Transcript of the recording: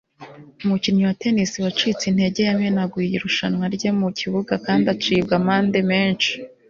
Umukinnyi wa tennis wacitse intege yamenaguye irushanwa rye mu kibuga kandi acibwa amande menshi